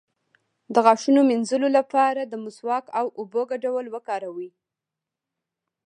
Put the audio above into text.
د غاښونو د مینځلو لپاره د مسواک او اوبو ګډول وکاروئ